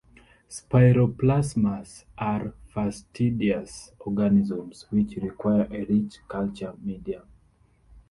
Spiroplasmas are fastidious organisms, which require a rich culture medium.